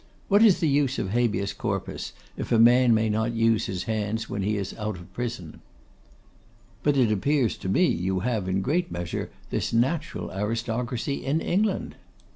What is the use of Habeas Corpus, if a man may not use his hands when he is out of prison?' 'But it appears to me you have, in a great measure, this natural aristocracy in England.